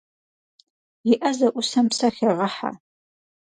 И ӏэ зэӏусэм псэ хегъэхьэ.